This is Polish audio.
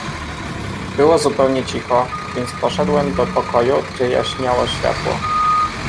"Było zupełnie cicho, więc poszedłem do pokoju, gdzie jaśniało światło."